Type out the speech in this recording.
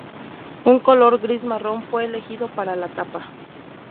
Un color gris-marrón fue elegido para la tapa.